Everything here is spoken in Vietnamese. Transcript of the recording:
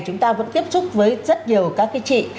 chúng ta vẫn tiếp xúc với rất nhiều các chị